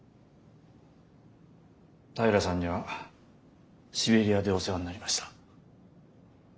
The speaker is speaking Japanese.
平良さんにはシベリアでお世話になりました。